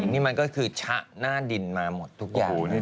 นี่มันก็คือชะหน้าดินมาหมดทุกอย่างเลย